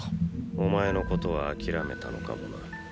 ⁉お前のことは諦めたのかもな。？